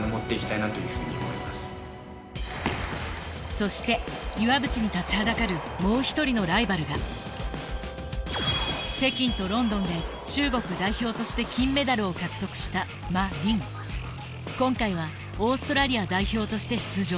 そして岩渕に立ちはだかるもう一人のライバルが北京とロンドンで中国代表として金メダルを獲得した今回はオーストラリア代表として出場。